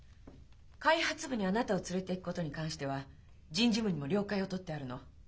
開発部にあなたを連れていくことに関しては人事部にも了解を取ってあるの。